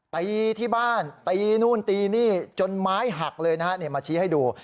ตีที่บ้านตีนู่นตีนี่จนไม้หักเลยนะฮะมาชี้ให้ดู